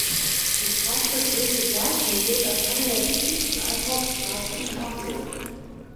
Die Straße Große Bleichen gilt als eine der wichtigsten Einkaufsstraßen in Hamburg.